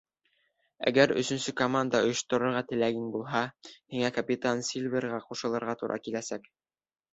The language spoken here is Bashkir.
Әгәр өсөнсө команда ойошторорға теләгең булмаһа, һиңә капитан Сильверға ҡушылырға тура киләсәк.